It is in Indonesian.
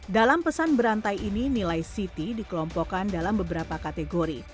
dalam pesan berantai ini nilai ct dikelompokkan dalam beberapa kategori